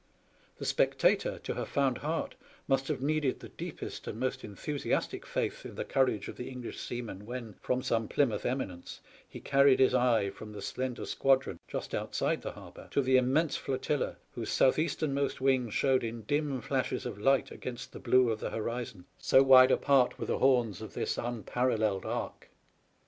The spectator, to have found heart, must have needed the deepest and most enthusiastic faith in the courage of the English seaman when, from some Plymouth eminence, he carried his eye from the slender squadron just outside the harbour to the immense flotilla whose south easternmost wing showed in dim dashes of light against the blue of the horizon, so wide apart were the horns of this unparalleled arc.